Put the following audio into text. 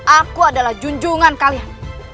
aku adalah junjungan kalian